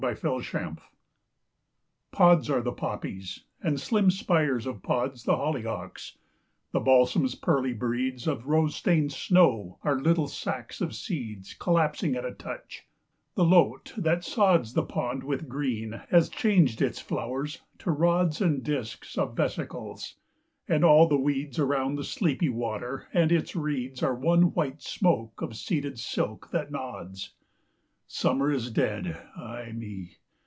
THE END OF SUMMER Pods are the poppies, and slim spires of pods The hollyhocks; the balsam's pearly bredes Of rose stained snow are little sacs of seeds Collapsing at a touch; the lote, that sods The pond with green, has changed its flowers to rods And discs of vesicles; and all the weeds, Around the sleepy water and its reeds, Are one white smoke of seeded silk that nods. Summer is dead, ay me!